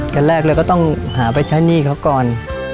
ตอนแรกเลยก็ต้องหาไปใช้หนี้เขาก่อน